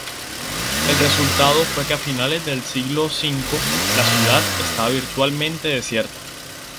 El resultado fue que a finales del siglo V la ciudad estaba virtualmente desierta.